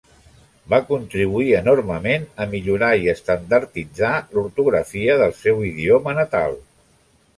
Va contribuir enormement a millorar i estandarditzar l'ortografia del seu idioma natal.